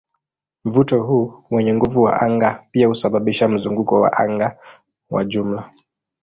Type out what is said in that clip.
Mvuto huu wenye nguvu wa anga pia husababisha mzunguko wa anga wa jumla.